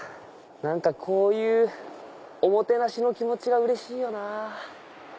こういうおもてなしの気持ちがうれしいよなぁ。